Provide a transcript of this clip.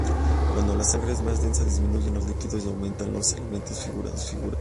Cuando la sangre es más densa disminuyen los líquidos y aumentan los elementos figurados.